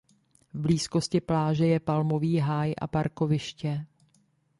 V blízkosti pláže je palmový háj a parkoviště.